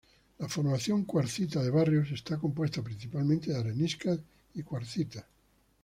La Formación Cuarcita de Barrios está compuesta principalmente de areniscas y cuarcitas.